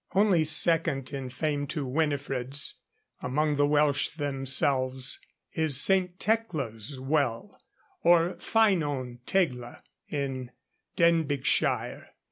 Only second in fame to Winifred's, among the Welsh themselves, is St. Tecla's well, or Ffynon Tegla, in Denbighshire.